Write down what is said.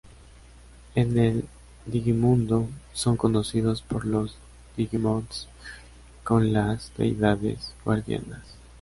En el Digimundo, son conocidos por los Digimons como las ""Deidades Guardianas"".